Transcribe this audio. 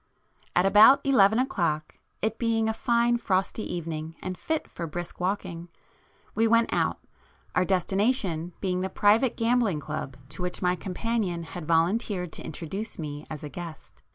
At about eleven o'clock, it being a fine frosty evening and fit for brisk walking, we went out, our destination being the private gambling club to which my companion had volunteered to introduce me as a guest.